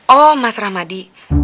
oh mas ramadi